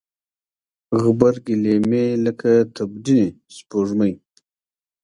غبرګي لیمې لکه تبجنې سپوږمۍ